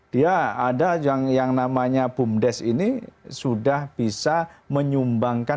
dia ada yang namanya bumdes ini sudah bisa menyumbangkan